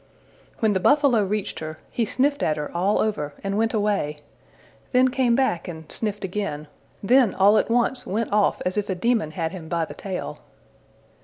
'' When the buffalo reached her, he sniffed at her all over and went away; then came back and sniffed again: then all at once went off as if a demon had him by the tail.